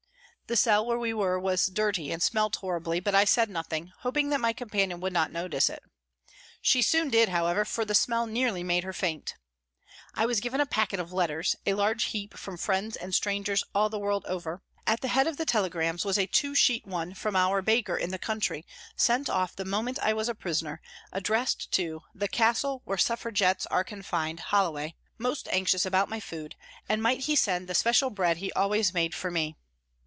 * The cell where we were was dirty and smelt horribly, but I said nothing, hoping that my companion would not notice it. She soon did, however, for the smell nearly made her faint. I was given a packet of letters a large heap from friends and strangers all the world over. At the head of the telegrams was a two sheet one from our baker in the country, sent off the moment I was a prisoner, addressed to " The Castle where Suffra gettes are confined, Holloway," most anxious about my food, and might he send the special bread he always made for me